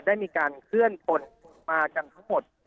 ได้มีการเคลื่อนพลมากันทั้งหมด